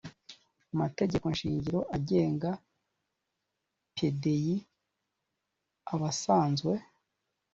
mategeko shingiro agenga pdi abasanzwe